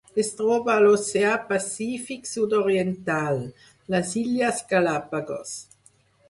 Es troba a l'Oceà Pacífic sud-oriental: les Illes Galápagos.